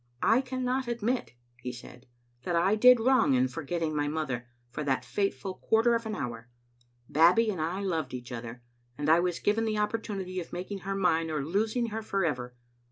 "I cannot admit," he said, "that I did wrong in for getting my mother for that fateful quarter of an hour. Babbie and I loved each other, and I was given the opportunity of making her mine or losing her forever.